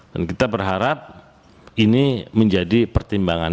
dan kita berharap ini menjadi pertimbangan